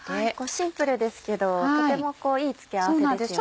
シンプルですけどとてもいい付け合わせですよね。